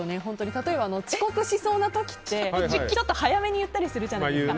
例えば遅刻しそうなときってちょっと早めに言ったりするじゃないですか。